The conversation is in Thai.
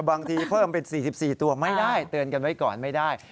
บางทีเพิ่มเป็น๔๔ตัวไม่ได้เตือนกันไว้ก่อนไม่ได้